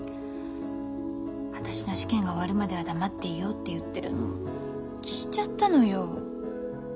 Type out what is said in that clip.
私の試験が終わるまでは黙っていようって言ってるのを聞いちゃったのよ。